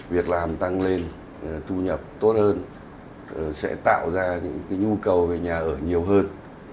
việc làm tăng lên thu nhập tốt hơn sẽ tạo ra những nhu cầu về nhà ở nhiều hơn